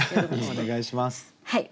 お願いします。